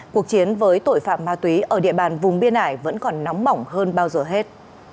cuộc chiến với tội phạm ma túy ở địa bàn vùng biên ải vẫn còn nóng mỏng hơn bao giờ hết